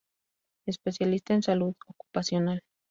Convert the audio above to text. Especialista en Salud Ocupacional.